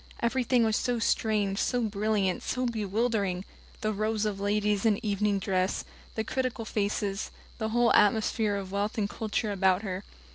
Everything was so strange, so brilliant, so bewildering the rows of ladies in evening dress, the critical faces, the whole atmosphere of wealth and culture about her.